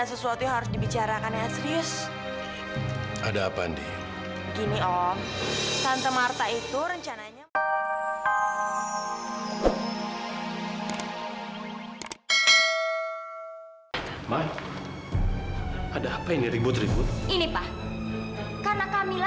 sampai jumpa di video selanjutnya